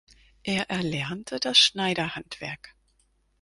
Er erlernte das Schneiderhandwerk.